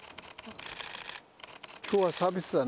今日はサービスだな。